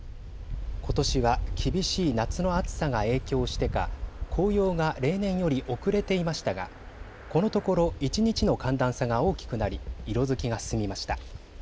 ことしは厳しい夏の暑さが影響してか紅葉が例年より遅れていましたがこのところ一日の寒暖差が大きくなり色づきが進みました。